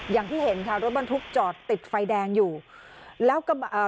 อย่างที่เห็นค่ะรถบรรทุกจอดติดไฟแดงอยู่แล้วก็เอ่อ